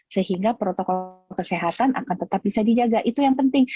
sehingga protokol kesehatan akan tetap bisa dijaga itu yang penting